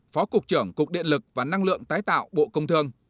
phó cục trưởng cục điện lực và năng lượng tái tạo bộ công thương